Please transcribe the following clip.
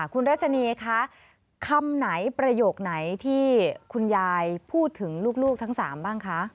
คุณรัชนีคะคำไหนประโยคไหนที่คุณยายพูดถึงลูกทั้ง๓บ้างคะ